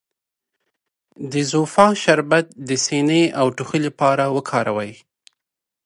د زوفا شربت د سینې او ټوخي لپاره وکاروئ